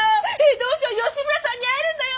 どうしよう吉村さんに会えるんだよ！